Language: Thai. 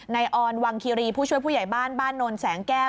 ออนวังคีรีผู้ช่วยผู้ใหญ่บ้านบ้านโนนแสงแก้ว